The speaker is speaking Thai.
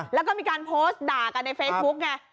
แล้วก็มีการโพสต์ด่ากันในเฟซบุ๊กไง